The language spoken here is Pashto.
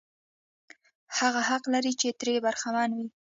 هغه حق لري چې ترې برخمن وي.